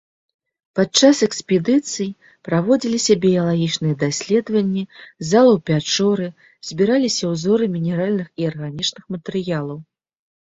Падчас экспедыцый праводзіліся біялагічныя даследаванні залаў пячоры, збіраліся ўзоры мінеральных і арганічных матэрыялаў.